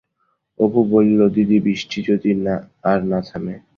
অপু বলিল, দিদি, বিষ্টি যদি আর না থামে?